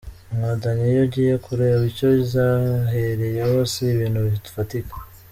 Inkotanyi iyo ugiye kureba icyo zahereyeho, si ibintu bifatika.